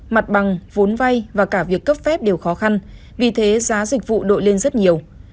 mặt bằng vốn vay và cả việc cấp phép đều khó khăn vì thế giá dịch vụ đội lên rất nhiều